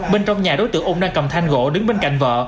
bên trong nhà đối tượng ung đang cầm thanh gỗ đứng bên cạnh vợ